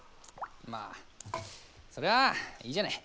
まあそれはいいじゃない。